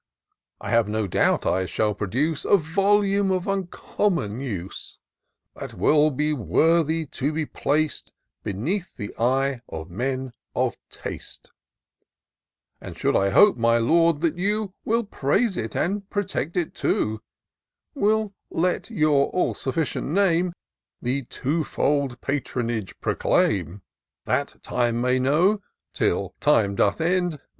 I have no doubt I shall produce A volume of imcommon use. That will be worthy to be plac'd Beneath the eye of men of taste ; And I should hope, my Lord, that you Will praise it and protect it too ; Will let your all sufficient name The two fold patronage proclaim ; That time may know, till time doth end.